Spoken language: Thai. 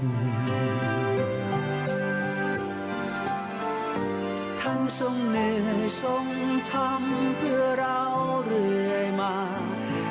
ทรงเหนื่อยทรงทำเพื่อเราเรื่อยมา